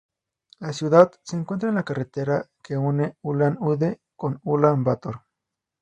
La ciudad se encuentra en la carretera que une Ulán-Ude con Ulán Bator.